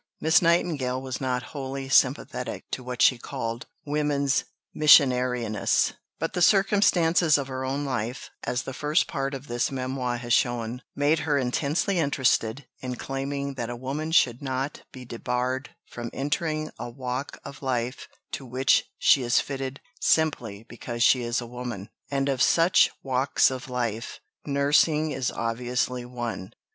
Miss Nightingale was not wholly sympathetic to what she called "woman's missionariness." But the circumstances of her own life, as the First Part of this Memoir has shown, made her intensely interested in claiming that a woman should not be debarred from entering a walk of life to which she is fitted simply because she is a woman; and of such walks of life, nursing is obviously one.